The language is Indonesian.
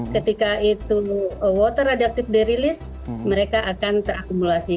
ketika itu water reductive di rilis mereka akan terakumulasi